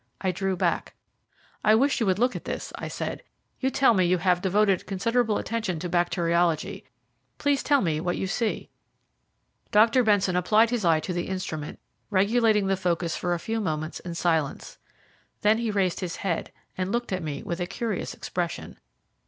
I drew back. "I wish you would look at this," I said. "You tell me you have devoted considerable attention to bacteriology. Please tell me what you see." Dr. Benson applied his eye to the instrument, regulating the focus for a few moments in silence, then he raised his head, and looked at me with a curious expression.